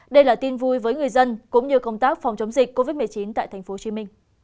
đây là tin vui với người dân cũng như công tác phòng chống dịch covid một mươi chín tại tp hcm